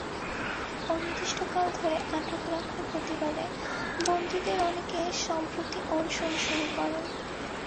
অনির্দিষ্টকাল ধরে আটক রাখার প্রতিবাদে বন্দীদের অনেকে সম্প্রতি অনশন শুরু করেন।